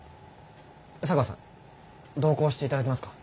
茶川さん同行していただけますか？